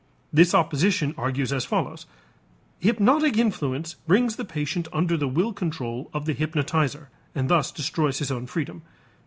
This opposition argues as follows: Hypnotic influence brings the patient under the will control of the hypnotizer and thus destroys his own freedom.